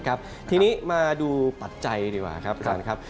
ครับทีนี้มาดูปัจจัยดีกว่าครับอาจารย์ครับ